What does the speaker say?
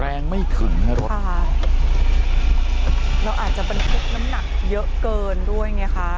แรงไม่ถึงอ่ะรถค่ะเราอาจจะบันทึกมันหนักเยอะเกินด้วยไงฮะ